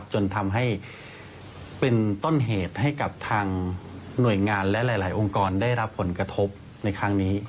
จนทำให้เป็นต้นเหตุให้กับทางหน่วยงานและหลายองค์กรได้รับผลกระทบในครั้งนี้